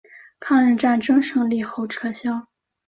抗日战争胜利后撤销。